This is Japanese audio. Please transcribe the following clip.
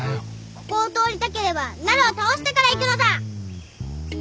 ここを通りたければなるを倒してから行くのだ！